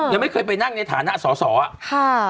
ยังไม่เคยไปนั่งในฐานะสอสออะ